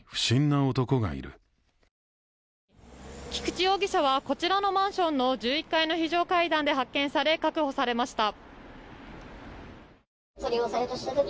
菊池容疑者はこちらのマンションの１１階の非常階段で発見され確保されました。